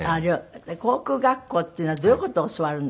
航空学校っていうのはどういう事を教わるんですか？